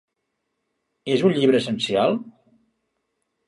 És un llibre essencial?